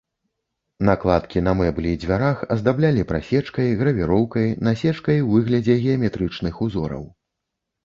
Накладкі на мэблі і дзвярах аздаблялі прасечкай, гравіроўкай, насечкай у выглядзе геаметрычных узораў.